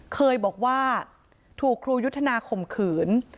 เคยบอกว่าถูกครูยุทธนาข่มขืน